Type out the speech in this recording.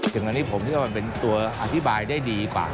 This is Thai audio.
อย่างนั้นผมคิดว่ามันเป็นตัวอธิบายได้ดีกว่า